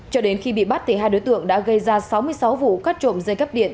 cho đến khi bị bắt hai đối tượng đã gây ra sáu mươi sáu vụ cắt trộm dây cắp điện